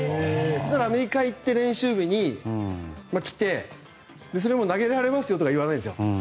アメリカ行って、練習日に来てそれも投げられますよとか言わないんですよ。